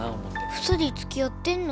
２人つきあってんの？